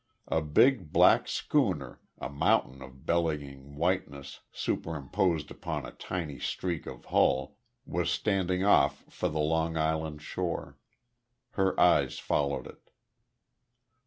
A big, black schooner, a mountain of bellying whiteness superimposed upon a tiny streak of hull, was standing off for the Long Island shore. Her eyes followed it.